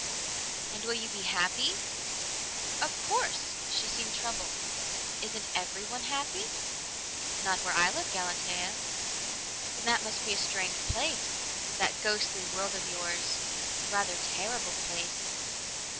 "And will you be happy?" "Of course." She seemed troubled. "Isn't everyone happy?" "Not where I live, Galatea." "Then that must be a strange place that ghostly world of yours. A rather terrible place."